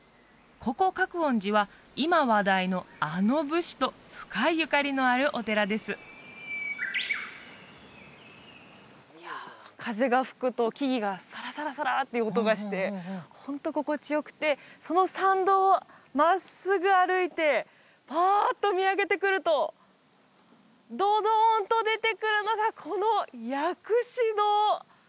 ここ覚園寺は今話題のあの武士と深いゆかりのあるお寺です風が吹くと木々がサラサラサラーッて音がしてホント心地よくてその参道を真っすぐ歩いてファーッと見上げてくるとドドンと出てくるのがこの薬師堂！